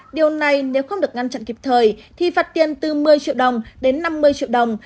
điều này nếu không được ngăn chặn kịp thời thì phạt tiền từ một mươi triệu đồng đến năm mươi triệu đồng